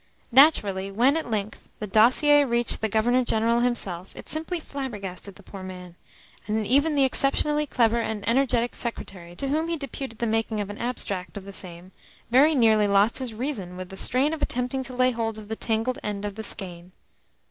Naturally, when, at length, the dossier reached the Governor General himself it simply flabbergasted the poor man; and even the exceptionally clever and energetic secretary to whom he deputed the making of an abstract of the same very nearly lost his reason with the strain of attempting to lay hold of the tangled end of the skein.